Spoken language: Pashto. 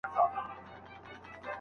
هره ښځه چي حجاب نه لري بې مالګي طعام ده.